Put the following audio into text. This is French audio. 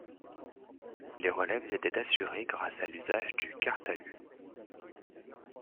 Les relèves étaient assurées grâce à l'usage du cartahu.